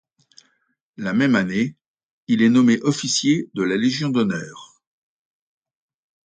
La même année, il est nommé officier de la Légion d'honneur.